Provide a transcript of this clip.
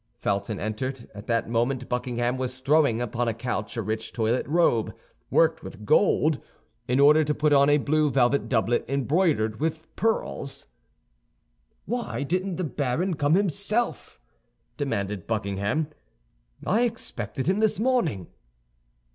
Felton entered. At that moment Buckingham was throwing upon a couch a rich toilet robe, worked with gold, in order to put on a blue velvet doublet embroidered with pearls. "Why didn't the baron come himself?" demanded Buckingham. "I expected him this morning."